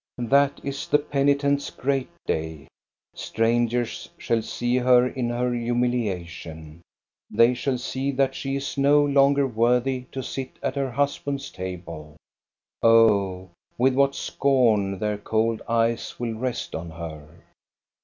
That is the penitent's great day. Strangers shall see her in her humiliation. They shall see that she is no longer worthy to sit at her husband's table. Oh, with what scorn their cold eyes will rest on her